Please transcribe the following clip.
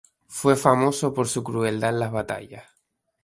Fue famoso por su crueldad en las batallas.